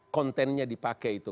kontennya dipakai itu